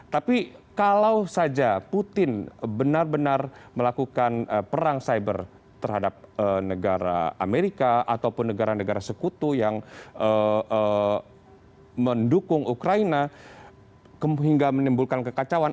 tapi kalau saja putin benar benar melakukan perang cyber terhadap negara amerika ataupun negara negara sekutu yang mendukung ukraina hingga menimbulkan kekacauan